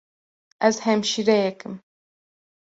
Ez hemşîreyek im.